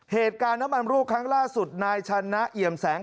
เหตุการณ์น้ำมันรั่วครั้งล่าสุดนายชันนะเอี่ยมแสง